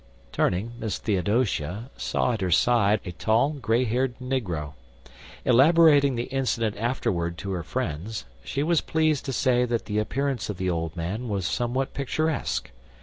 Turning, Miss Theodosia saw at her side a tall, gray haired negro. Elaborating the incident afterward to her friends, she was pleased to say that the appearance of the old man was somewhat picturesque.